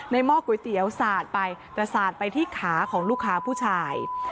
หม้อก๋วยเตี๋ยวสาดไปแต่สาดไปที่ขาของลูกค้าผู้ชาย